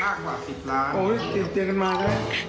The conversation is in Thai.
มักหวาด๑๐ล้านโอ้ห์เหลือเกลียดกันมาเลย